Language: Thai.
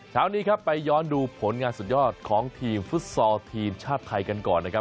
เช้านี้ครับไปย้อนดูผลงานสุดยอดของทีมฟุตซอลทีมชาติไทยกันก่อนนะครับ